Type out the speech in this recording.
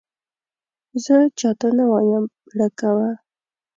زه چا ته نه وایم بیړه کوه !